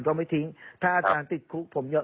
เพราะว่าตอนแรกมีการพูดถึงนิติกรคือฝ่ายกฎหมาย